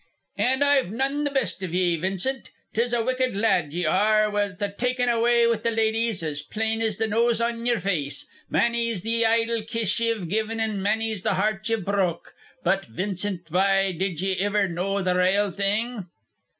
"An' I've none the best iv ye, Vincent. 'Tis a wicked lad ye are, with a takin' way with the ladies as plain as the nose on yer face. Manny's the idle kiss ye've given, an' manny's the heart ye've broke. But, Vincent, bye, did ye iver know the rale thing?"